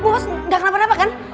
bos gak kenapa kenapa kan